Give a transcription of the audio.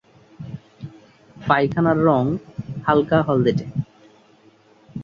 পাখনার রং হালকা হলদেটে।